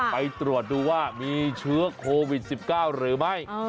ไปตรวจดูว่ามีเชื้อโควิด๑๙หรือไม่